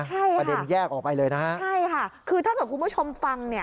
ใช่ค่ะใช่ค่ะคือถ้าเกิดคุณผู้ชมฟัง